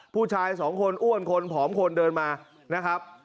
ผู้ชายสองคนอ้วนคนผอมคนเดินมานะครับ